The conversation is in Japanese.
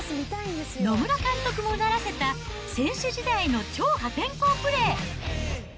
野村監督もうならせた選手時代の超破天荒プレー。